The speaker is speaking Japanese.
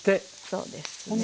そうですね。